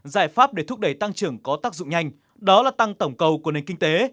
giải pháp để thúc đẩy tăng trưởng có tác dụng nhanh đó là tăng tổng cầu của nền kinh tế